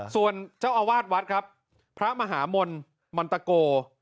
ส่วนเจ้าอาวาสวัดครับพระมหามลมันตะโก